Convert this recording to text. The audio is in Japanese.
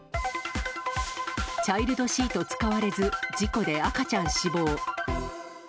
チャイルドシート使われず、事故で赤ちゃん死亡。